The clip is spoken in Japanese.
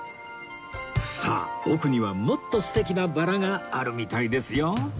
さあ奥にはもっと素敵なバラがあるみたいですよ